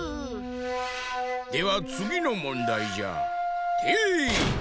ではつぎのもんだいじゃ。てい！